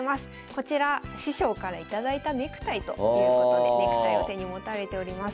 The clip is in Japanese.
こちら師匠から頂いたネクタイということでネクタイを手に持たれております。